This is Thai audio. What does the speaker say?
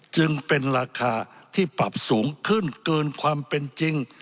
จึงเป็นราคาที่ปรับสูงขึ้นเกินความเป็นจริง